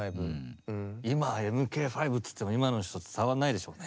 今「ＭＫ５」っつっても今の人伝わんないでしょうね。